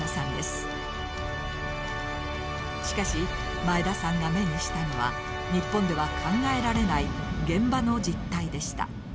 しかし前田さんが目にしたのは日本では考えられない現場の実態でした。